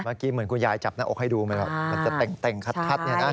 เมื่อกี้เหมือนคุณยายจับหน้าอกให้ดูมันจะเต็งคัดเนี่ยนะ